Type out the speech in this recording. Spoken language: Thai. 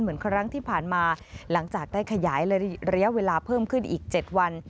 คำถามรังที่ผ่านมาหลังจากได้ขยายหรือเรียวเวลาเพิ่มขึ้นอีก๗วัน